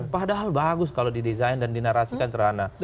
padahal bagus kalau didesain dan dinarasikan serhana